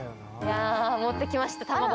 持ってきました、玉子。